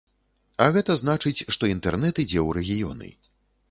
А гэта значыць, што інтэрнэт ідзе ў рэгіёны.